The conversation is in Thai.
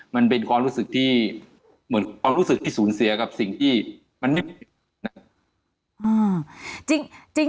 มันเป็นความรู้สึกที่สูญเสียกับสิ่งที่มันไม่มีความรู้สึก